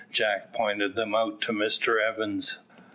Jack pointed them out to Mr Evans.